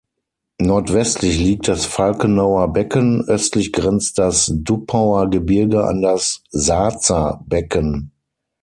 Nordwestlich liegt das Falkenauer Becken, östlich grenzt das Duppauer Gebirge an das Saazer Becken.